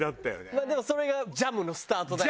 まあでもそれがジャムのスタートだよね。